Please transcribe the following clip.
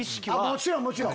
もちろんもちろん！